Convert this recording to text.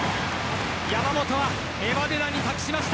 山本はエバデダンに託しました。